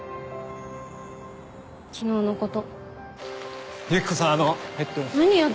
昨日のこと。